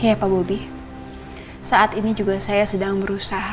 ya pak bobi saat ini juga saya sedang berusaha